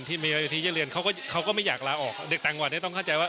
ที่มีเวทีจะเรียนเขาก็เขาก็ไม่อยากลาออกเด็กต่างวัดนี้ต้องเข้าใจว่า